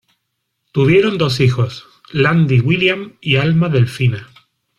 Tuvieron dos hijos: Landi William y Alma Delfina.